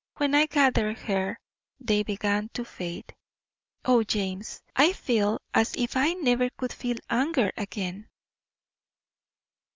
When I gathered her they began to fade." O James, I feel as if I never could feel anger again.